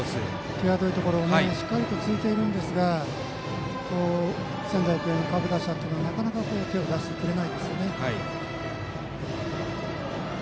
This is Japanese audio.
際どいところしっかり突いてますが仙台育英の各打者、なかなか手を出してくれないですよね。